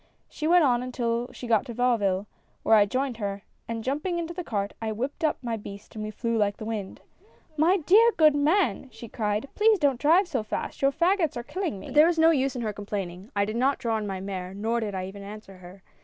She went on until she got to Vauville, where I joined her, and jumping into the cart I whipped up my beast and we flew like the wind. " 'My dear good man !' she cried, 'please don't drive so fast, your fagots are killing me.' " But there was no use in her complaining ; I did not draw in my mare nor did I even answer her.